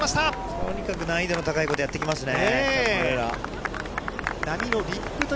とにかく難易度の高いことやってきますね。